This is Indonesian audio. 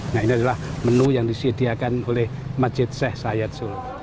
nah ini adalah menu yang disediakan oleh masjid sheikh sayyad solo